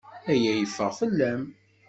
Aya yeffeɣ fell-am.